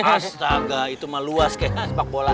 astaga itu mah luas kayaknya sepak bola